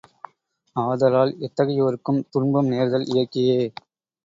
ஆதலால் எத்தகையோர்க்கும் துன்பம் நேர்தல் இயற்கையே.